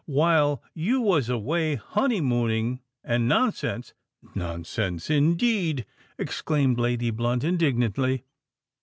While you was away honeymooning and nonsense——" "Nonsense, indeed!" exclaimed Lady Blunt, indignantly.